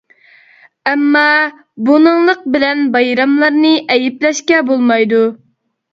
ئەمما، بۇنىڭلىق بىلەن بايراملارنى ئەيىبلەشكە بولمايدۇ.